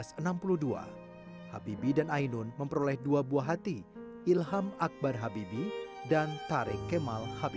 keduanya menikah pada dua belas mei seribu sembilan ratus tujuh puluh dua habibi dan ainun memperoleh dua buah hati ilham akbar habibi dan tarik kemal habibi